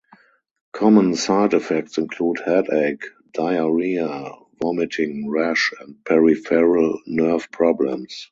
Common side effects include headache, diarrhea, vomiting, rash, and peripheral nerve problems.